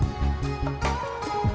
gak usah banyak ngomong